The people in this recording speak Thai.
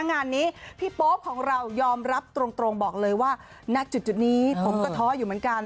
งานนี้พี่โป๊ปของเรายอมรับตรงบอกเลยว่าณจุดนี้ผมก็ท้ออยู่เหมือนกัน